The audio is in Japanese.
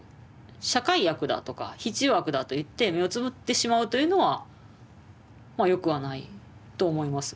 社会悪だとか必要悪だといって目をつむってしまうというのはまあよくはないと思います。